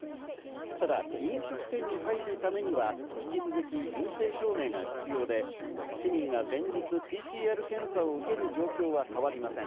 ただ飲食店に入るためには引き続き陰性証明が必要で、市民が連日ＰＣＲ検査を受ける状況は変わりません。